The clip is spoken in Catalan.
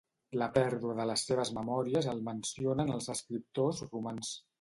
La pèrdua de les seves memòries el mencionen els escriptors romans.